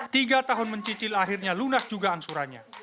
tiga tahun mencicil akhirnya lunas juga angsurannya